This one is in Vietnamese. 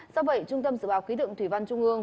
do vậy trung tâm dự báo ký đựng thủy văn trung ương